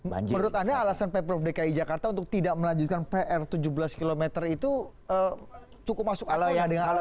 menurut anda alasan pemprov dki jakarta untuk tidak melanjutkan pr tujuh belas km itu cukup masuk akal